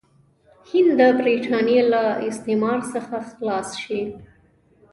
هند د برټانیې له استعمار څخه خلاص شي.